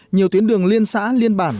nhiều tuyến đường liên xã liên bản